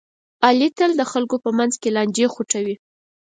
علي تل د خلکو په منځ کې لانجې خوټوي.